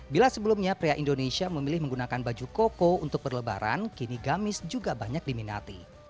bila sebelumnya pria indonesia memilih menggunakan baju koko untuk berlebaran kini gamis juga banyak diminati